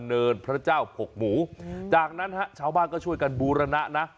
เนินพระเจ้าหกหมูจากนั้นฮะชาวบ้านก็ช่วยกันบูรณะนะ